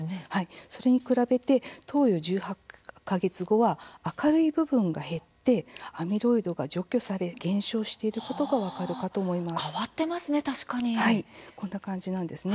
それに比べて投与１８か月後は明るい部分が減ってアミロイドが除去され減少していることが分かるかと変わっていますね、